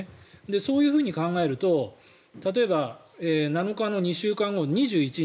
そういうふうに考えると例えば７日の２週間後は２１日